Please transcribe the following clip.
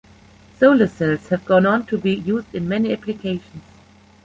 Solar cells have gone on to be used in many applications.